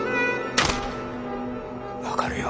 分かるよ。